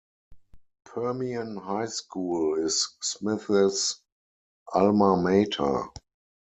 Permian High School is Smith's Alma Mater.